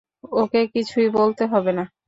ওকে কিছুই বলতে হবে না।